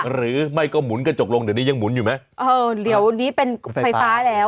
หรือไม่ก็หมุนกระจกลงเดี๋ยวนี้ยังหุ่นอยู่ไหมเออเดี๋ยวนี้เป็นไฟฟ้าแล้ว